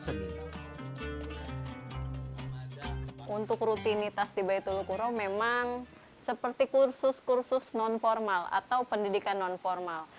seni untuk rutinitas di baitul quro memang seperti kursus kursus nonformal atau pendidikan nonformal